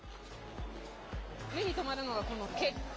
目に留まるのがこの結婚？